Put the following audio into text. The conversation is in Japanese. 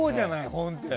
本って。